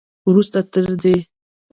وروسته تر دې